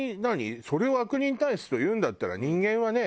それを悪人体質と言うんだったら人間はね